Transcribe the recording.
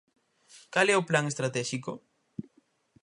¿Cal é o plan estratéxico?